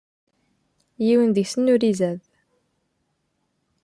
Yiwen deg-sen ur izad.